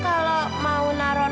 kalau mau naro nomer di sini